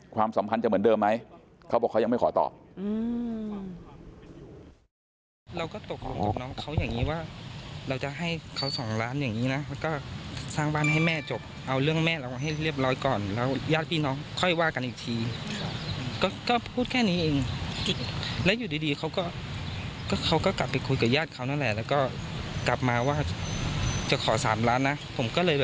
ความสัมพันธ์จะเหมือนเดิมไหมเขาบอกเขายังไม่ขอตอบ